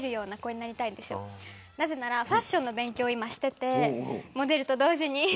なぜならファッションの勉強を今していて、モデルと同時に。